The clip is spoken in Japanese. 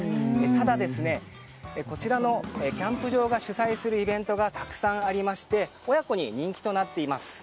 ただ、こちらのキャンプ場が主催するイベントがたくさんありまして親子に人気となっています。